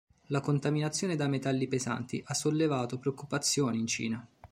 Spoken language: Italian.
La contaminazione da metalli pesanti ha sollevato preoccupazioni in Cina.